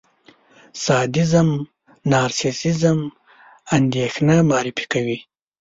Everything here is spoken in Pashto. سادېزم، نارسېسېزم، اندېښنه معرفي کوي.